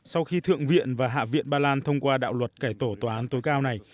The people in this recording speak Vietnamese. sau khi thượng viện và hạ viện ba lan thông qua đạo luật cải tổ tòa án tối cao này